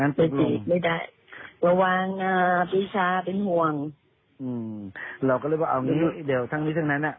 ไม่ได้ระวังพี่ช้าเป็นห่วงเราก็เลยว่าเอาอย่างนี้เดี๋ยวทั้งนี้ถึงนั้น